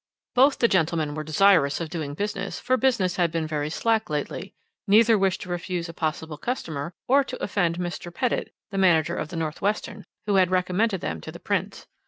Both the gentlemen were desirous of doing business, for business had been very slack lately: neither wished to refuse a possible customer, or to offend Mr. Pettitt, the manager of the North Western, who had recommended them to the Prince.